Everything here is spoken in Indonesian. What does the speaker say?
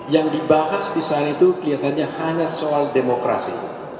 yang dibahas di sana itu kelihatannya hanya soal demokrasi